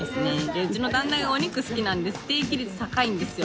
うちの旦那がお肉好きなんでステーキ率高いんですよ。